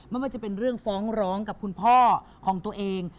ไม่ว่าจะเป็นเรื่องฟ้องร้องกับคุณพ่อของตัวเอง